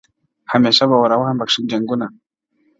همېشه به وه روان پکښي جنگونه!!